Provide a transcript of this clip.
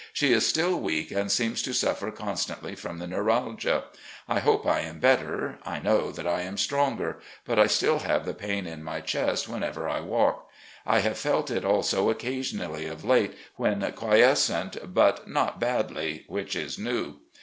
She is still weak and seems to suffer constantly from the neuralgia. I hope I am better, I know that I am stronger, but I still have the pain in my chest whenever I walk. I have felt it also occasionally of late when quiescent, but not badly, which is new.